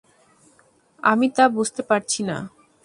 আমি তা বুঝতে পারছি না।